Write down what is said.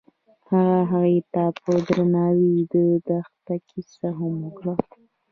هغه هغې ته په درناوي د دښته کیسه هم وکړه.